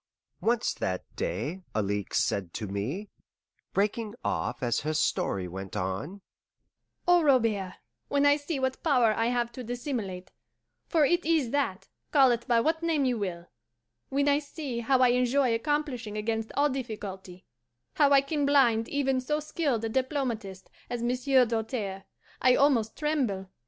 Once that day Alixe said to me, breaking off as her story went on, "Oh, Robert, when I see what power I have to dissimulate for it is that, call it by what name you will when I see how I enjoy accomplishing against all difficulty, how I can blind even so skilled a diplomatist as Monsieur Doltaire, I almost tremble.